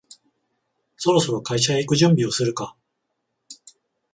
そろそろ会社へ行く準備をするか